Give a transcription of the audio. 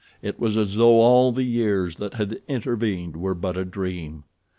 It was as though all the years that had intervened were but a dream.